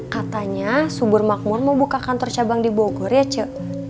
katanya subur makmur mau buka kantor cabang di bogor ya cek